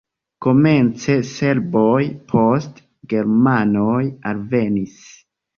Komence serboj, poste germanoj alvenis.